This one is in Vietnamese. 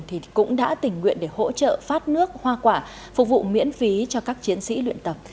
thì cũng đã tình nguyện để hỗ trợ phát nước hoa quả phục vụ miễn phí cho các chiến sĩ luyện tập